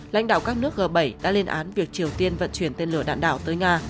lãnh đạo các nước g bảy đã lên án việc triều tiên vận chuyển tên lửa đạn đạo tới nga